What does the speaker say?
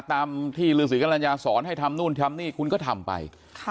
ตามที่ฤษีกรรณญาสอนให้ทำนู่นทำนี่คุณก็ทำไป